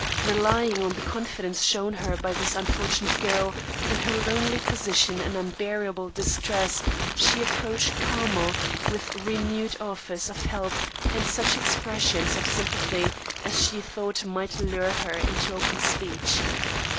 Relying on the confidence shown her by this unfortunate girl, in her lonely position and unbearable distress, she approached Carmel, with renewed offers of help and such expressions of sympathy as she thought might lure her into open speech.